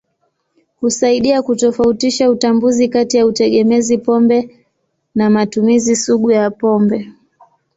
Husaidia kutofautisha utambuzi kati ya utegemezi pombe na matumizi sugu ya pombe.